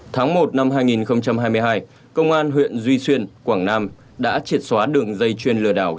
tháng một năm hai nghìn hai mươi hai công an huyện duy xuyên quảng nam đã triệt xóa đường dây chuyên lừa đảo